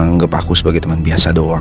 anggep aku sebagai temen biasa doang